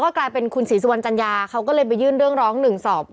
กลายเป็นคุณศรีสุวรรณจัญญาเขาก็เลยไปยื่นเรื่องร้องหนึ่งสอบ